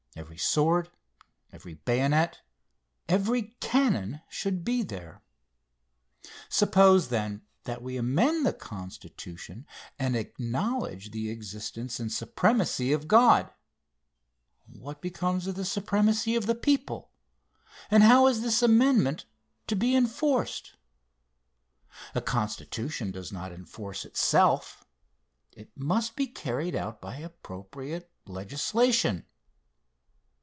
Every sword, every bayonet, every cannon should be there. Suppose, then, that we amend the Constitution and acknowledge the existence and supremacy of God what becomes of the supremacy of the people, and how is this amendment to be enforced? A constitution does not enforce itself. It must be carried out by appropriate legislation.